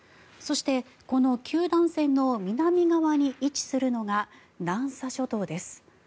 そしてこの九段線の南側に位置するのが南沙諸島です。